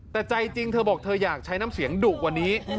แต่ใจจริงเธอบอกเธออยากใช้น้ำเสียงดุกว่านี้